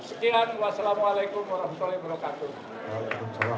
sekian wassalamu'alaikum warahmatullahi wabarakatuh